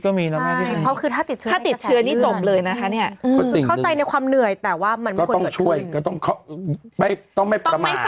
คือถ้าติดเชือนนี่จบเลยนะคะนี่